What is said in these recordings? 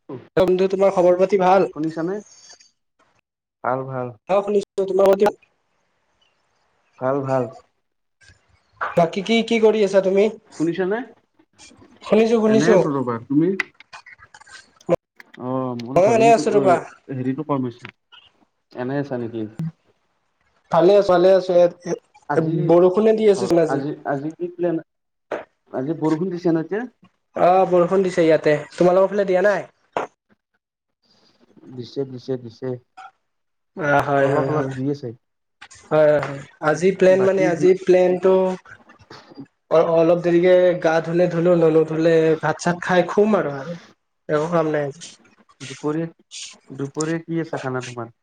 [inaudible] [unintelligible] তোমাৰ খবৰ পাতি ভাল? শুনিছানে, ভাল ভাল। হয় শুনিছো। তোমাৰ [inaudible] ভাল ভাল। বাকী কি কি কৰি আছা তুমি? শুনিছানে? শুনিছো এনে শুনিছো। আছো ৰ'বা তুমি অ মোৰ মই এনে ভলিউমটো আছো ৰবা হেৰিতটো কম হৈছে। এনেই আছা নেকি? ভালে আছো ভালে আছোঁ। আজি বৰষুণে দি আছে চোন আজি। কি প্লেন। আজি বৰষূণ দিছে ন এতিয়া? অ বৰষুণ দিছে ইয়াতে। তোমালোকৰ ফালে দিয়া নাই? দিছে দিছে দিছে। অ হয় অলপ হয় অলপ হয়। দি আছে হয় হয়। আজি প্লেন মানে বাকী দি আজি কি প্লেনটো অ অলপ দেৰিকে গা ধুলে ধুলো নুধুলে ভাত চাত খাই খুম আৰু আৰু। একো কাম নাই আজি। দুপৰীয়া দুপৰীয়া কি আছে খানা তোমাৰ?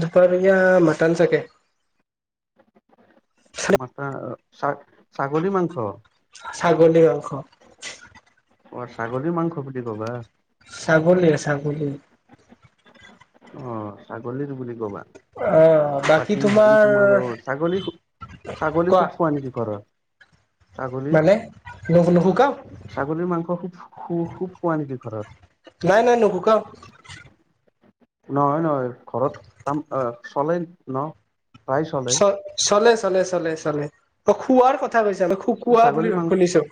দুপাৰীয়া মাটান চাগে। মাতা আ ছাগ-ছাগলী মাংস? ছাগলী মাংস। অ ছাগলীৰ মাংস বুলি ক'বা। ছাগলীয়ে ছাগলী। অ ছাগলীৰ বুলি ক'বা। অ বাকী হেৰি তোমাৰ অ ছাগলী ছাগলী কোৱা খুব খোৱা নেকি ঘৰত? ছাগলী মানে? নু-নুসুকাও। ছাগলীৰ মাংস খুব-খু-খুব খোৱা নেকি ঘৰত? নাই নাই নুখোকাও। নহয় নহয় ঘৰত কাম আ চলে ন'। প্ৰায় চলে চ-চলে-চলে-চলে-চলে অ খোৱাৰ কথা কৈছা মই সুকোৱা ছাগলী বুলি শুনিছো।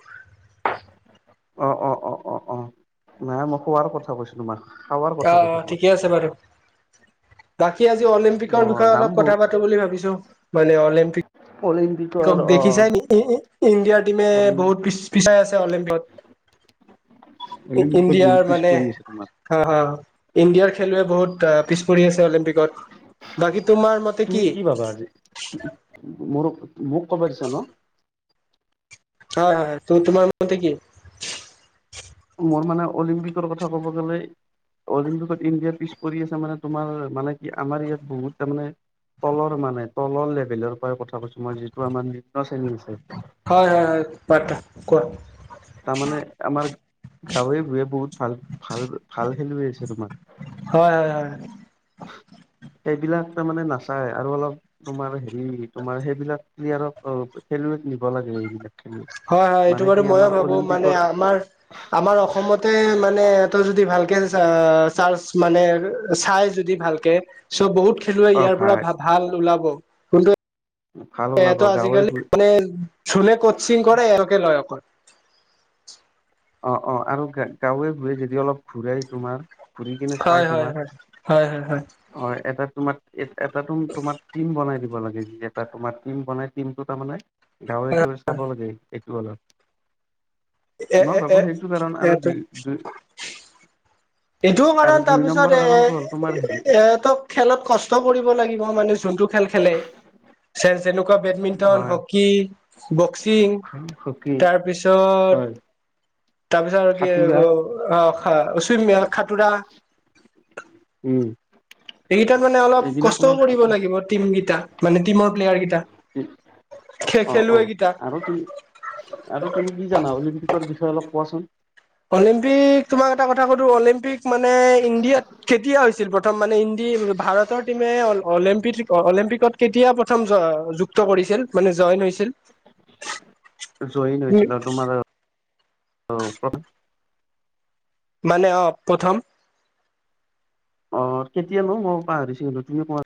অ-অ-অ-অ-অ নাই মই খোৱাৰ কথা কৈছোঁ তোমাক। খাৱাৰ অ কথা কৈছো তোমাক ঠিকে আছে বাৰু। বাকী আজি অ অলিম্পিকৰ বিষয়ে দাম অলপ বহু কথা পাতো বুলি ভাবিছো, মানে অলিম্পিক অলিম্পিক ক দেখিছাই নি ই-ই-ইণ্ডিয়াৰ টিমে অলিম বহুত পি-পিচাই আছে অলিম্পিকত। অলিম্পিকত বহুত ই-ইণ্ডিয়াৰ পিছ মানে পৰি আছে তোমাৰ হয় হয় ইণ্ডিয়াৰ খেলুৱৈ বহুত পিছ পৰি আছে অলিম্পিকত, বাকী তোমাৰ মত তুমি কি ভাবা আজি? মোৰ মোক ক'বা দিছা ন'? হয় হয় তো-তোমাৰ মতে কি? মোৰ মানে অলিম্পিকৰ কথা ক'ব গ'লে অলিম্পিকত ইণ্ডিয়া পিছ পৰি আছে মানে তোমাৰ মানে কি আমাৰ ইয়াত বহুত তাৰ মানে তলৰ মানে তলৰ লেভেলৰ পৰা কথা কৈছো মই যিটো আমাৰ নিম্ন শ্ৰেণী আছে হয়-হয়-হয় কোৱা। তাৰমানে আমাৰ গাঁৱে ভূঞে বহুত ভাল, ভাল, ভাল খেলুৱৈ আছে তোমাৰ। হয়-হয়-হয়। সেইবিলাক তাৰ মানে নাচায় আৰু অলপ তোমাৰ হেৰি তোমাৰ সেইবিলাক প্লিয়াৰক খেলুৱৈক নিব লাগে এইবিলাক। খেলুৱৈ হয়-হয় মানে এইটো কি বাৰু ময়ো আমাৰ ভাবো মানে অলিম্পিকৰ আমাৰ আমাৰ অসমতে মানে এতা যদি ভালকে চাৰ্জ মান চাই যদি ভালকে চ' বহুত খেলুৱাই ইয়াৰ পৰা ভা ভাল ওলাব। ভাল ওলাব এয়াতটো গাঁৱে আজিকালি ভূঞে মানে জোনে কচিং কৰে এওঁকে লয় অকল। অ-অ আৰু গাঁৱে ভুয়ে যদি অলপ ঘূৰাই তোমাৰ ঘূৰি হয়-হয়-হয় হয়-হয়-হয়। হয়, এটা তোমাৰ এটা তো তোমাৰ টিম বনাই দিব লাগে যে এটা তোমাৰ টিম বনাই টিম টো তাৰমানে গাঁৱে-গাঁৱে চাব লাগে এইটো অলপ। মই ভাবো এ-এ-এ সেইটো কাৰণ আৰু এটো। দুই দুই এইটোও আৰু কাৰণ দুই নম্বৰ তাৰপিছত কাৰণটো হ'ল তোমাৰ হেৰি এ-এ এতো খেলত কষ্ট কৰিব লাগিব মানে যোনটো খেল খেলে। চেৰ যেনেকুৱা বেডমিণ্টন, হয় হ'কী, বক্সিং। হকী তাৰপিছত, হয় তাৰপিছত আৰু কি সাঁতোৰা অ খাখোচিম খাতোৰা। উম। এইগিটাত মানে অলপ এইবিলাক কষ্টও অলপ কৰিব লাগিব টিম গিটা মানে টিমৰ প্লেয়াৰ গিটা। খে, অ অ খেলোৱে গিটা। আৰু তুমি আৰু তুমি কি জানা? অলিম্পিকৰ বিষয়ে অলপ কোৱাচোন। অলিম্পিক তোমাক এটা কথা সুধোঁ অলিম্পিক মানে ইণ্ডিয়াত কেতিয়া হৈছিল প্ৰথম মানে ইন্দি ভাৰতৰ টিমে অলিম্প অলিম্পিকত কেতিয়া প্ৰথম জ যুক্ত কৰিছিল মানে জইন হৈছিল? জ ইন হৈছিল আৰু তোমাৰ প্ৰথম মানে অ, প্ৰথম। অ, কেতিয়ানো? মই পাহৰিছো হ'লো তুমি কোৱা।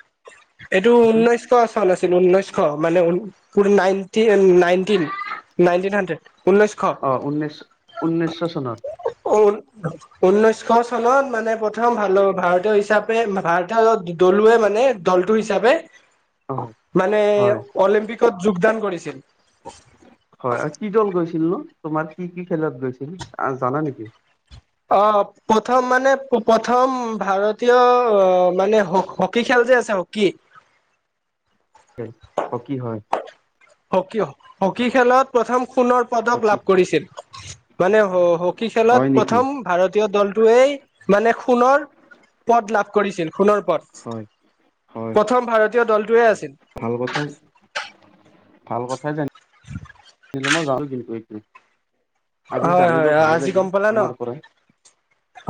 এইটো ঊনৈশ চন আছিল ঊনৈশ মানে ঊ। নাইনট নাইনটিন হাড্ৰেড ঊনৈছ অ, উনৈছ ঊনৈশ চনত। অ। ঊনৈশ চনত মানে প্ৰথম ভাল ভাৰতীয় হিচাপে ভাৰতৰ দলুৱে মানে দলটোৰ হিচাপে অ। মানে অলিম্পিকত যোগদান কৰিছিল। হয়, আৰু কি দল গৈছিল নো, তোমাৰ কি, কি খেলত গৈছিল জানা নেকি? অ, প্ৰথম মানে প্ৰথম ভাৰতীয় মানে হ' হকী খেল যে আছে হকী হকী হয়। হকী হকী খেলত প্ৰথম সোণৰ। পদক হকী লাভ কৰিছিল? মানে হকী হয় খেলত নেকি প্ৰথম ভাৰতীয় দলটোৱেই মানে সোণৰ পদ লাভ কৰিছিল। সোণৰ পদ, হয় হয় প্ৰথম ভাৰতীয় দলটোৱে আছিল। ভাল কথাই ভাল কথাই জানি [inaudible] [unintelligible] আজি হয় জানিলো হয় ভালে আজি লাগিল গম পালা ন তোমাৰ পৰা।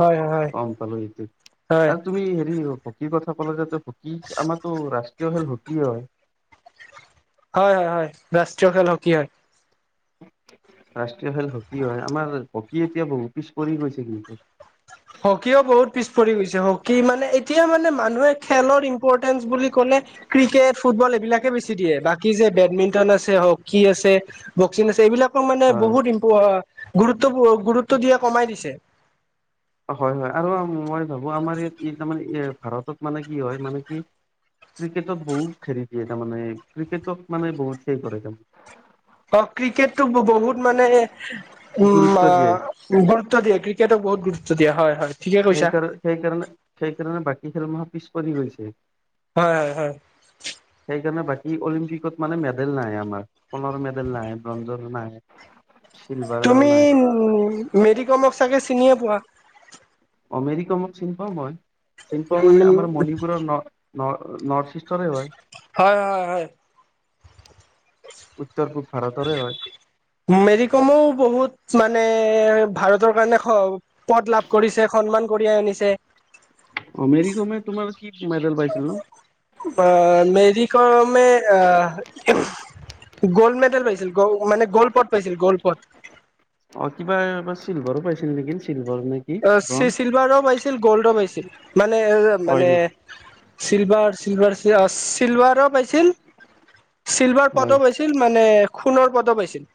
হয় হয় হয় হয় আৰু তুমি হেৰি অ' হকীৰ কথা ক'লে যে হকী আমাৰতো ৰাষ্ট্ৰীয় খেল হকী হয়। হয়, হয়, হয়, ৰাষ্ট্ৰীয় খেল হকী হয়। ৰাষ্ট্ৰীয় খেল হকী হয়, আমাৰ হকী এতিয়া বহু পিছ পৰি গৈছে কিন্তু। হকীও বহুত পিছ পৰি গৈছে, হকী মানে এতিয়া মানে মানুহে খেলৰ ইম্পৰ্টেঞ্চ বুলি ক'লে ক্ৰিকেট, ফুটবল এইবিলাকে বেছি দিয়ে। বাকী যে বেডমিন্টন আছে হকী আছে। বক্সিং আছে এইবিলাকক মানে হয় বহুত ইম্প গুৰুত্ব দিয়া কমাই দিছে। অ', হয় হয় আৰু মই ভাবো আমাৰ ইয়াত কেইটামান ভাৰতত মানে কি হয় মানে কি ক্ৰিকেটত বহুত হেৰি দিয়ে তাৰমানে ক্ৰিকেটক মানে বহুত হেৰি কৰে। অ', ক্ৰিকেটটো বহুত মানে উম গুৰুত্ব আ দিয়ে গুৰুত্ব দিয়ে ক্ৰিকেটক বহুত গুৰুত্ব দিয় হয় হয়। ঠিকে কৈছা সেইকাৰ সেইকাৰণে সেইকাৰণে বাকী খেলসমূহৰ পিছ পৰি গৈছে। হয়, হয়, হয়। [inaudible] সেইকাৰণে বাকী অলিম্পিকত মানে মেডেল নাই আমাৰ সোণৰ মেডেল নাই ব্ৰঞ্জৰ নাই। তুমি মেৰিকমক চাগে চিনিয়ে পোৱা। অ', মেৰিকোমক চিনি পাওঁ মই চিনি পাওঁ মানে আমাৰ উম মণিপুৰৰ ন ন নৰ্থ ইষ্টৰে হয়। হয়, হয়, হয়। উত্তৰ পূব ভাৰতৰে হয়। মেৰিকমো বহুত মানে ভাৰতৰ কাৰণে স পদ লাভ কৰিছে, সন্মান কঢিয়াই আনিছে। অ', মেৰিকমে তোমাৰ কি মেডেল পাইছিলে ন? বা মেৰিকমে আ গ'ল্ড মেডেল পাইছিল, গ মানে গ'ল্ড পদ পাইছিল গল্ড পদ। অ', কিবা এটা চিলভাৰো পাইছিল নেকি চিলভাৰ নে কি অ', চি ব্ৰঞ্জ চিলভাৰও পাইছিল গ'ল্ডো পাইছিল, মানে হয় মানে নেকি চিলভাৰ চিলভাৰ অ' চিলভাৰো পাইছিল চিলভাৰ হয় পদো পাইছিল। মানে সোণৰ পদো পাইছিল।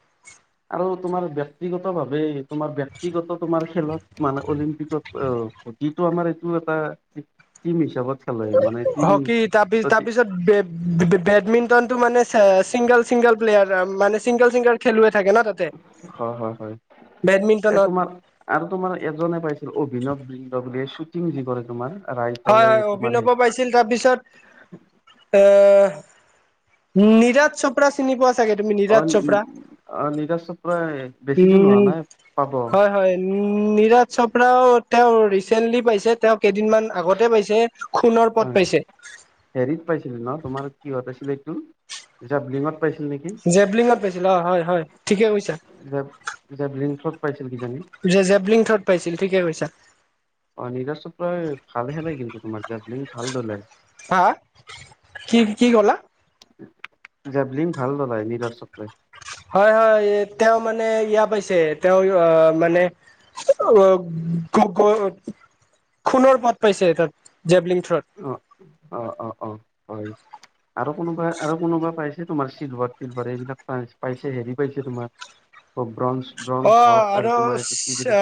আৰু তোমাৰ ব্যক্তিগতভাৱে তোমাৰ ব্যক্তিগত তোমাৰ খেলত মানে অলিম্পিকত অ' যিটো আমাৰ এইটো এটা টিম হিচাপত খেলে মানে টিম হকী তাৰ তাৰ পিছত বেডমিন্টনটো মানে চিংগল চিংগল প্লেয়াৰ মানে চিংগল চিংগল খেলুৱৈ থাকে ন তাত। হয়, হয়, হয়, এই বেডমিন্টনত তোমাৰ আৰু তোমাৰ এজনে পাইছিল অভিনৱ বিন্দ বুলি শ্বুটিং যে কৰে তোমাৰ। হয় ৰাইফলে হয় তোমাৰ অভিনৱ হেৰি পাইছিল তাৰপিছত এ নিৰাজ চৌপ ৰা চিনি পোৱা চাগে তুমি অ নিৰাজ চৌপ্ৰা অ নীৰজ চোপ্ৰা বেছি দিন হোৱা উম নাই পাব হয় হয়। উম, নিৰাজ চৌপৰাও তেওঁ ৰিচেণ্টলি পাইছে তেওঁ কেইদিনমান আগতে পাইছে সোণৰ পদ পাইছে। হেৰিত পাইছিলি ন, তোমাৰ কিহত আছিল, এইটো জেবলিং ত পাইছিল নেকি? জেবলিঙত পাইছিল, অ, হয়, হয়, ঠিকে কৈছা। যেপ জেপলিংকত পাইছিল কিজানি! জেবলিং থত পাইছিল, ঠিকে কৈছা। অ, নিৰা [unintelligible] ভাল খেলে কিন্তু তোমাৰ জ ভাল ধলে। হা! হা! কি কি ক'লা? জেবলিং ভাল দলাই নিৰজ চক্ৰই। হয়, হয়, তেওঁ মানে এয়া পাইছে, তেওঁ আহ মানে অঁ, [unintelligible] খুণৰ পদ পাইছে তাত জেবলিং থ্ৰত। অ, অ, অ, অ, হয়। আৰু কোনোবা আৰু কোনোবা তোমাৰ চিলভাৰ-টিলভাৰ এইবিলাক পাইছে, পাইছে হেৰি পাইছে তোমাৰ অ, ব্ৰঞ্জ। ব্ৰঞ্জ অঁ হওক [unintelligible] আৰু তোমাৰ এইটো কি বোলে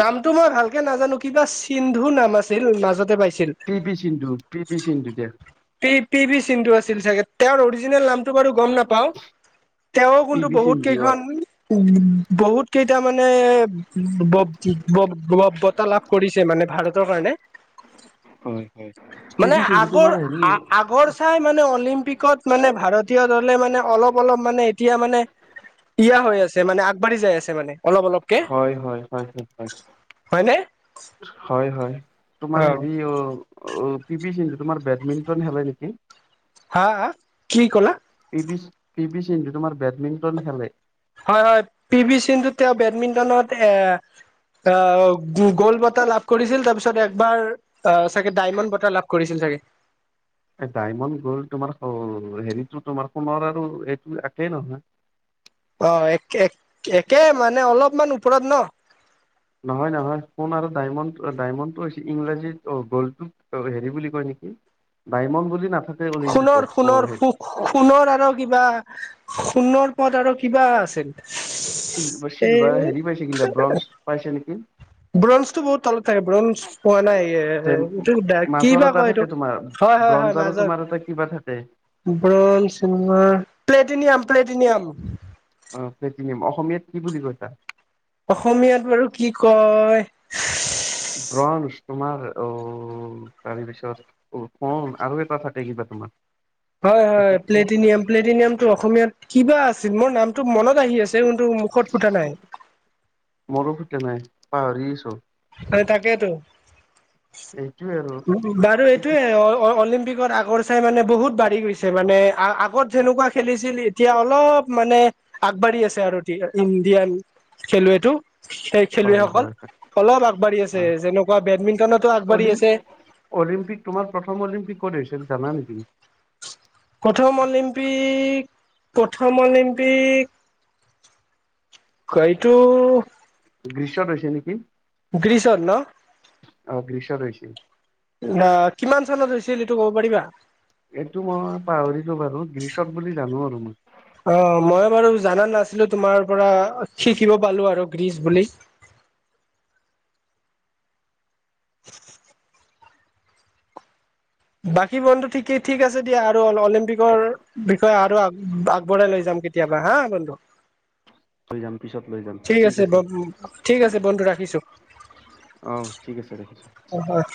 নামটো মই ভালকে নাজানো, কিবা সিন্ধু নাম আছিল, মাজতে পাইছিলো। P B Sindhu, P B Sindhu দিয়া। এই পি বি সিন্ধু আছিল চাগে! তেওঁৰ অৰিজিনেল নামটো বাৰু গম নাপ পাওঁ। তেওঁ পি কোনটো ভি বহুত সিন্ধু অ কেইখন বহুত কেইটা মানে, [unintelligible] বাৰ্তা লাভ কৰিছে, মানে ভাৰতৰ কাৰণে। [inaudible] হয় পি মানে ভি সিন্ধু আগৰ তোমাৰ হেৰি আগৰ চাই মানে অলিম্পিকত, মানে ভাৰতীয় দলে মানে, অলপ-অলপ মানে এতিয়া মানে [unintelligible] হৈ আছে, মানে আগবাঢ়ি যাই আছে মানে। অলপ অলপকে হয়, হয়, হয়। হয়নে! হয়, হয়। তোমাৰ হেৰি অ অ, পি বি সিন্ধু তোমাৰ বেডমিণ্টন খেলে নেকি! হা! হা! কি ক'লা? P B, P B Sindhu তোমাৰ বেডমিণ্টন খেলে। হয়, হয়, পি বি সিন্ধু তেওঁ বেডমিণ্টনত এ আহ, গোল বঁটা লাভ কৰিছিল, তাৰপিছত একবাৰ অ, চাগে ডায়মণ্ড বঁটাৰ লাভ কৰিছিল চাগে! এ, ডায়মণ্ড গ'ল তোমাৰ হেৰিতো, তোমাৰ সোণৰ আৰু এইটো একেই নহয়। অঁ, এক একে মানে অলপমান ওপৰত ন! নহয়, নহয়, সোন আৰু ডায়মণ্ড-ডায়মণ্ডটো হৈছে ইংৰাজীত গ'ল্ডত হেৰি বুলি কয় নেকি! ডায়মণ্ড বুলি নাথাকে সোণৰ অলিম্পিকত সোণৰ [unintelligible] সোণৰ আৰু কিবা সোণৰ পদ আৰু কিবা আছে। চিলভা-চিলভাৰ হেৰি পাইছে, কিন্তু ব্ৰঞ্জ পাইছে নেকি! ব্ৰঞ্জ টো বহুত তলত থাকে, ব্ৰঞ্জ পোৱা নাই। এ, যে [unintelligible] মাজৰ কিবা এটা কয় থাকে এইটোক, তোমাৰ হয়, হয়, ব্ৰঞ্জ হয়, আৰু মাজত। তোমাৰ এটা কিবা থাকে ব্ৰঞ্জ, চিলভাৰ, প্লেটিনিয়াম, প্লেটিনিয়াম। অঁ, প্লেটিনিয়াম অসমীয়াত কি বুলি কৈছা? অসমীয়াত বাৰু কি কয়! ব্ৰঞ্জ, তোমাৰ অ, তাৰে পিছত অ, আৰু এটা থাকে কিবা, তোমাৰ হয়, হয়, এইটো কি প্লেটিনিয়াম প্লেটিনিয়ামটো অসমীয়াত কিবা আছিল মোৰ নামটো মনত আহি আছে কিন্তু মুখত ফুটা নাই। মোৰো ফুটা নাই পাহৰি গৈছো। হয়, তাকেটো। সেইটোৱে আৰু। উ, বাৰু এই কি এইটোয়ে অ-অলিম্পিকৰ আগৰ চাই মানে বহুত বাঢ়ি গৈছে মানে আগত যেনেকুৱা খেলিছিল এতিয়া অলপ মানে আগবাঢ়ি আছে আৰু ইণ্ডিয়ান খেলুৱৈটো সেই হয়, খেলুৱৈসকল হয়, হয়। অলপ আগবাঢ়ি আছে হয়। যেনেকুৱা বেডমিণ্টনতো আগবাঢ়ি অলিম আছে। অলিম্পিক তোমাৰ প্ৰথম অলিম্পিক ক'ত হৈছিল জানা নেকি? প্ৰথম অলিম্পিক প্ৰথম অলিম্পিক এইটো গ্ৰী্চত হৈছে নেকি? গ্ৰীছত ন'? অ', গ্ৰীচত হৈছিল। অ', কিমান চনত হৈছিল এইটো ক'ব পাৰিবা? এইটো মই পাহৰিলোঁ বাৰু গ্ৰীচত বুলি জানো আৰু মই। অ', মই বাৰু জানা নাছিলো তোমাৰ পৰা শিকিব পালো আৰু গ্ৰীচ বুলি। [inaudible] বাকী বন্ধু ঠিক আছে দিয়া আৰু [unintelligible] অলিম্পিকৰ বিষয়ে আৰু আগবঢ়াই লৈ যাম কেতিয়াবা হা বন্ধু। লৈ যাম পিছত লৈ যাম। ঠিক আছে ঠিক আছে বন্ধু ৰাখিছোঁ। অ', ঠিক আছে ৰাখিছো। হয়, হয়।